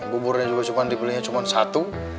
buburnya juga dibeliinnya cuma satu